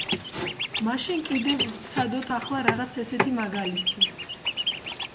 მაშინ კიდევ ვცადოთ ახლა რაღაც ესეთი მაგალითი.